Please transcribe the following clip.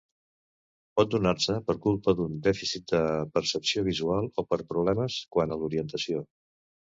Pot donar-se per culpa d'un dèficit de percepció visual o per problemes quant a l'orientació.